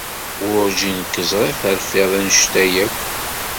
Werǧin k-ẓriɣ terfiḍ anect-a akk.